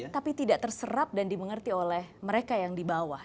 tapi tidak terserap dan dimengerti oleh mereka yang di bawah